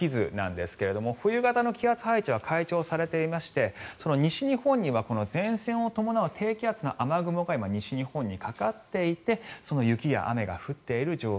これが今朝の天気図ですが冬型の気圧配置は解消されていまして西日本には前線を伴う低気圧が西日本にかかっていて雪や雨が降っている状況。